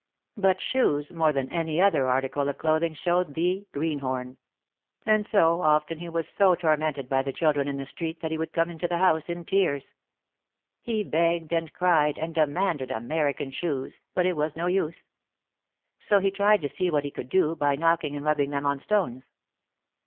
But shoes more than any other article of clothing showed the "greenhorn." And so often he was so tormented by the children in the street that he would come into the house in tears. He begged and cried and demanded "American" shoes but it was no use. So he tried to see what he could do by knocking and rubbing them on stones.